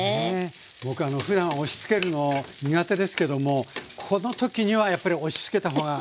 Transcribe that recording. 僕ふだん押しつけるの苦手ですけどもこの時にはやっぱり押しつけたほうがいいですかね？